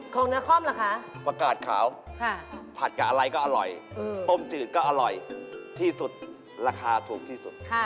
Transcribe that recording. ของนครเหรอคะประกาศขาวผัดกับอะไรก็อร่อยต้มจืดก็อร่อยที่สุดราคาถูกที่สุด